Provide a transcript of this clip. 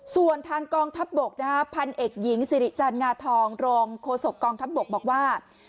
ส่วนทางกองทัพบกพันเอกหญิงสิริจันทร์งาทองรองโฆษกองทัพบกบอกว่า